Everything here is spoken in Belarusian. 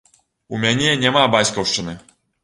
У мяне няма бацькаўшчыны!